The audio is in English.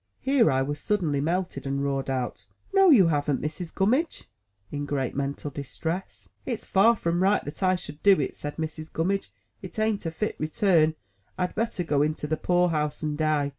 Here I was suddenly melted, and roared out, "No, you haven't, Mrs. Gummidge;" in great mental distress. "It's far from right that I should do it," said Mrs. Gum midge. "It an't a fit return. I had better go into the Poor house and die.